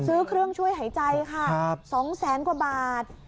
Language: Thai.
ซื้อเครื่องช่วยหายใจค่ะ๒แสนกว่าบาท